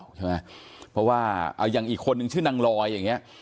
ใช่ไหมเพราะว่าเอาอย่างอีกคนนึงชื่อนางลอยอย่างเงี้ย